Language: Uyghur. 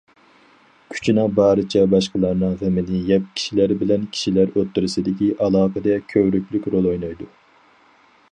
كۈچىنىڭ بارىچە باشقىلارنىڭ غېمىنى يەپ، كىشىلەر بىلەن كىشىلەر ئوتتۇرىسىدىكى ئالاقىدە كۆۋرۈكلۈك رول ئوينايدۇ.